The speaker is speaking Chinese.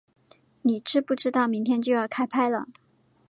你知不知道明天就要开拍了